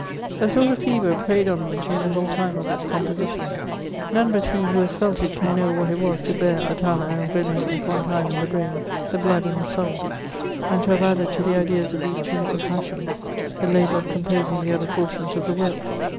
A sort of fever preyed on me during the whole time of its compo sition : none but he who has felt it can know what it was to bear Atala and Rene at one time in the brain, the blood and the soul, and to have added to the ideas of these twins of pas sion the labour of composing the other portions of the work.